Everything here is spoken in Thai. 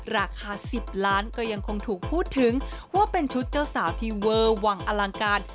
ราคา๑๐ล้านก็ยังคงถูกพูดถึงว่าเป็นชุดเจ้าสาวที่เวอร์วังอลังการ